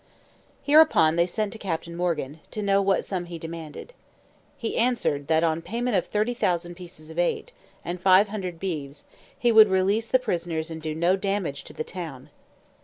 Hereupon, they sent to Captain Morgan, to know what sum he demanded. He answered, that on payment of 30,000 pieces of eight, and five hundred beeves, he would release the prisoners and do no damage to the town.